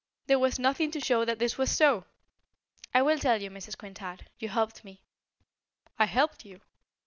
There was nothing to show that this was so." "I will tell you, Mrs. Quintard. You helped me." "I helped you?"